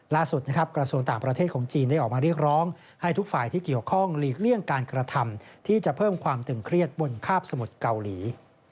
ล่าสุดนะครับกระทรวงต่างประเทศของจีนได้ออกมาเรียกร้องให้ทุกฝ่ายที่เกี่ยวข้องหลีกเลี่ยงการกระทำที่จะเพิ่มความตึงเครียดบนคาบสมุทรเกาหลี